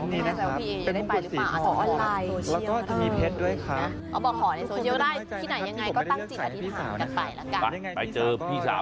แต่ว่าพี่เอ๊ยังได้ไปหรือเปล่า